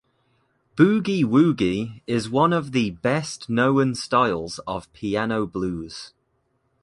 Boogie woogie is one of the best known styles of piano blues.